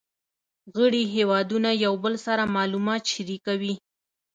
غړي هیوادونه یو بل سره معلومات شریکوي